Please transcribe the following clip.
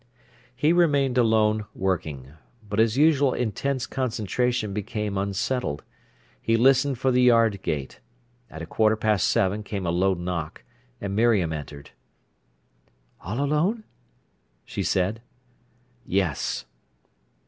He remained alone working. But his usual intense concentration became unsettled. He listened for the yard gate. At a quarter past seven came a low knock, and Miriam entered. "All alone?" she said. "Yes."